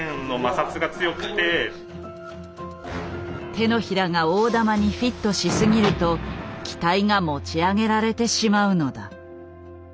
手のひらが大玉にフィットしすぎると機体が持ち上げられてしまうのだ。